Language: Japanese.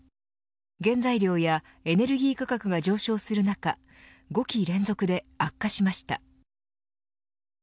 原材料やエネルギー価格が上昇する中５期連続で悪化しました。